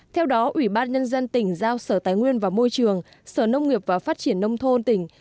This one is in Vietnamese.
theo đó ubnd tỉnh giao sở tài nguyên và môi trường sở nông nghiệp và phát triển nông thôn tỉnh